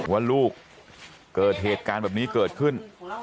ว่าลูกเกิดเหตุการณ์แบบนี้เกิดขึ้น